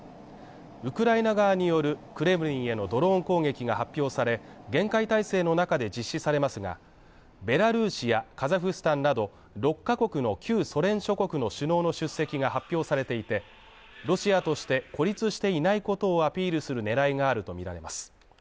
ウクライナ側によるクレムリンへのドローン攻撃が発表され、厳戒態勢の中で実施されますがベラルーシやカザフスタンなど６カ国の旧ソ連諸国の首脳の出席が発表されていて、ロシアとして孤立していないことをアピールする狙いがあるとみられます。